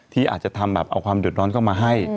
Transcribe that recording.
ที่อาจจะทำแบบเอาความเดือดร้อนเข้ามาให้